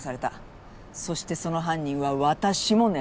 そしてその犯人は私も狙ってる。